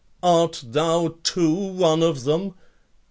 art thou, too, one of them?